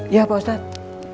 iya pak ustadz